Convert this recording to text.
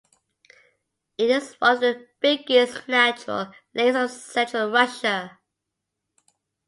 It is one of the biggest natural lakes of Central Russia.